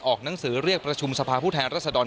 หนังสือเรียกประชุมสภาผู้แทนรัศดร